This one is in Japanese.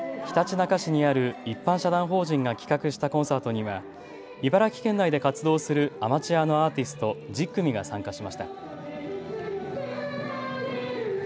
ひたちなか市にある一般社団法人が企画したコンサートには茨城県内で活動するアマチュアのアーティスト、１０組が参加しました。